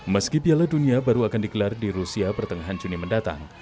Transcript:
meski piala dunia baru akan digelar di rusia pertengahan juni mendatang